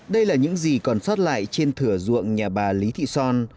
đây là những gì còn sót lại trên thửa ruộng nhà bà lý thị son